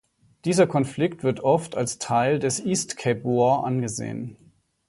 Dieser Konflikt wird oft als Teil des East Cape War angesehen.